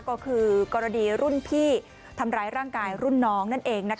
ก็คือกรณีรุ่นพี่ทำร้ายร่างกายรุ่นน้องนั่นเอง